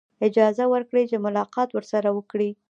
اجازه ورکړي چې ملاقات ورسره وکړي.